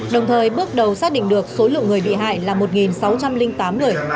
đồng thời bước đầu xác định được số lượng người bị hại là một sáu trăm linh tám người